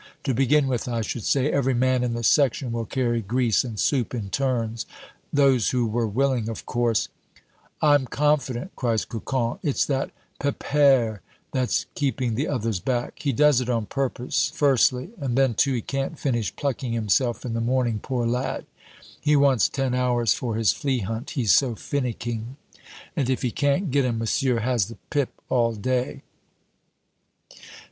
To begin with, I should say, 'Every man in the section will carry grease and soup in turns.' Those who were willing, of course " "I'm confident," cries Cocon, "it's that Pepere that's keeping the others back. He does it on purpose, firstly, and then, too, he can't finish plucking himself in the morning, poor lad. He wants ten hours for his flea hunt, he's so finicking; and if he can't get 'em, monsieur has the pip all day."